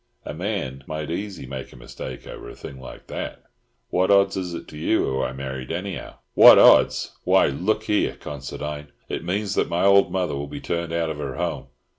A man might easy make a mistake over a thing like that. What odds is it to you who I married, anyhow?" "What odds? Why look here, Considine, it means that my old mother will be turned out of her home.